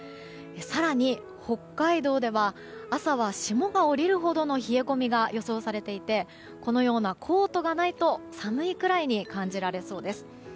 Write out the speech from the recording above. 更に、北海道では朝は霜が降りるほどの冷え込みが予想されていてこのようなコートがないと寒いくらいに感じられそうです。